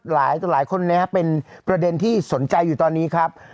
หลายคนนะครับเป็นประเด็นที่สนใจอยู่ตอนนี้ครับ